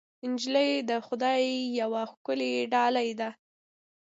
نجلۍ د خدای یوه ښکلی ډالۍ ده.